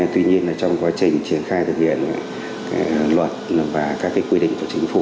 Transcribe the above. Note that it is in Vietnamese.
tuy nhiên trong quá trình triển khai thực hiện luật và các quy định của chính phủ